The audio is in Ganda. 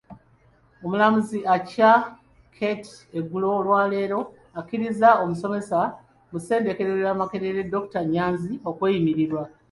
Omulamuzi Acaa Ketty eggulo lyaleero akkirizza omusomesa mu ssettendekero wa Makerere dokita Nyanzi okweyimirirwa.